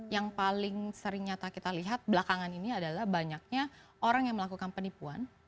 yang paling sering nyata kita lihat belakangan ini adalah banyaknya orang yang melakukan penipuan